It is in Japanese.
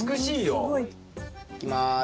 いきます。